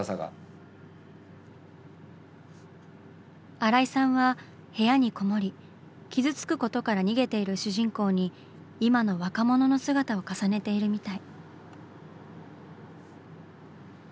新井さんは部屋にこもり傷つくことから逃げている主人公に今の若者の姿を重ねているみたい。